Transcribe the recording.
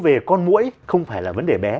về con muỗi không phải là vấn đề bé